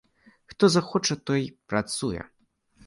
Хто захоча, той працуе.